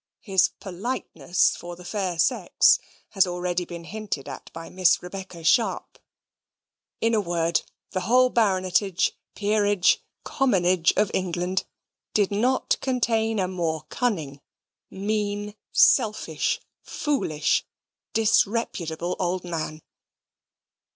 His politeness for the fair sex has already been hinted at by Miss Rebecca Sharp in a word, the whole baronetage, peerage, commonage of England, did not contain a more cunning, mean, selfish, foolish, disreputable old man.